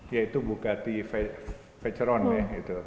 yaitu bugatti veyron ya